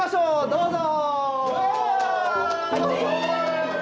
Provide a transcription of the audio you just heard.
どうぞ！